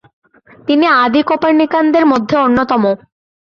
তিনি আদি কোপার্নিকানদের মধ্যে অন্যতম।